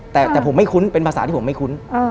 แต่ผมไม่คุ้นเป็นภาษาที่ผมไม่คุ้น